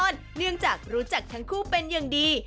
เนื่องจากรู้จักทั้งคู่เป็นอย่างดี